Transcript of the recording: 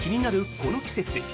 この季節。